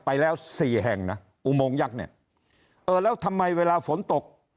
ไปแล้วสี่แห่งนะอุโมงยักษ์เนี่ยเออแล้วทำไมเวลาฝนตก